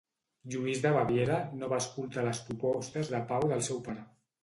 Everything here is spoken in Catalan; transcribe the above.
Lluís de Baviera no va escoltar les propostes de pau del seu pare.